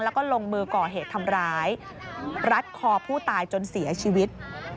แล้วก็ลงมือก่อเหตุทำร้ายรัดคอผู้ตายจนเสียชีวิต